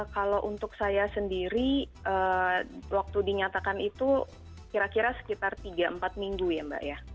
kalau untuk saya sendiri waktu dinyatakan itu kira kira sekitar tiga empat minggu ya mbak ya